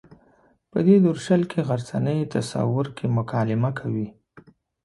په دې درشل کې غرڅنۍ تصور کې مکالمه کوي.